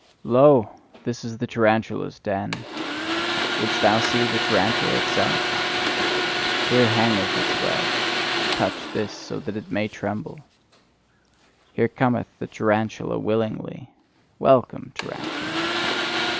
Lo, this is the tarantula's den! Wouldst thou see the tarantula itself? Here hangeth its web: touch this, so that it may tremble. There cometh the tarantula willingly: Welcome, tarantula!